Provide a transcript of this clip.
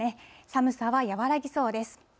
寒さは和らぎそうです。